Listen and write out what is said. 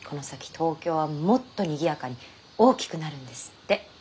東京はもっとにぎやかに大きくなるんですって。